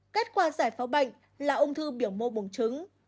kết quả giải phóng bệnh là ung thư biểu mô bùng trứng